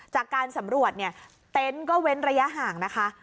จากการสำรวจเนี่ยเต็นต์ก็เว้นระยะห่างนะคะ